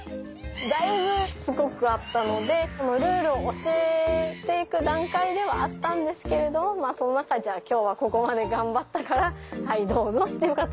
だいぶしつこかったのでルールを教えていく段階ではあったんですけれどもその中でじゃあ今日はここまで頑張ったからはいどうぞっていう形で少しあげていました。